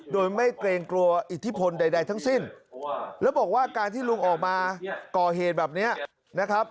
โดยไม่เกรงกลัวอิทธิพลใดทั้งสิ้นแล้วบอกว่าการที่ลุงออกมาก่อเหตุแบบนี้นะครับ